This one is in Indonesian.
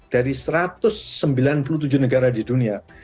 dari satu ratus sembilan puluh tujuh negara di dunia